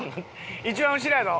一番後ろやぞ。